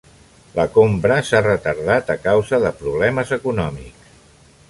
La compra s'ha retardat a causa de problemes econòmics.